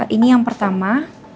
ini yang pertama